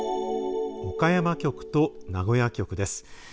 岡山局と名古屋局です。